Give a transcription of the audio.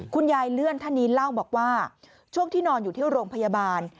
เลื่อนท่านนี้เล่าบอกว่าช่วงที่นอนอยู่ที่โรงพยาบาล